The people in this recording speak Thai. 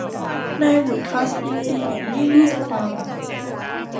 นายวูดคอร์ทยินดีอย่างยิ่งที่จะฟัง